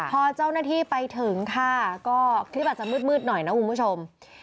พอเจ้าหน้าที่ไปถึงค่ะก็คลิปอาจจะมืดหน่อยนะคุณผู้ชม